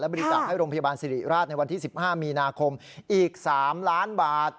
บริจาคให้โรงพยาบาลสิริราชในวันที่๑๕มีนาคมอีก๓ล้านบาท